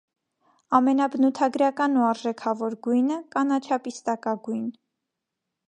Ամենաբնութագրական ու արժեքավոր գույնը՝ կանաչապիստակագույն։